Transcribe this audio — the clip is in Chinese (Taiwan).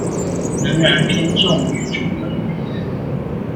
仍然偏重於主流語言